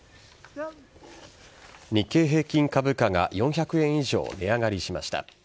日経平均株価が４００円以上値上がりしました。